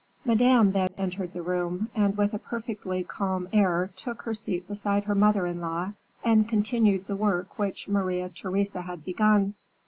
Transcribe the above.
Madame then entered the room, and with a perfectly calm air took her seat beside her mother in law, and continued the work which Maria Theresa had begun.